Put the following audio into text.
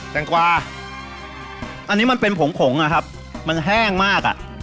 แตงกวาอันนี้มันเป็นผงผงอะครับมันแห้งมากอ่ะ